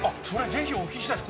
ぜひお聞きしたいです。